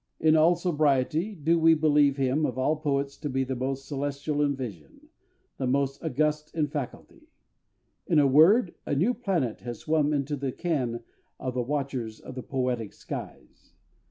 In all sobriety do we believe him of all poets to be the most celestial in vision, the most august in faculty.... In a word, a new planet has swum into the ken of the watchers of the poetic skies.